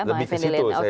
lebih ke situ saya ya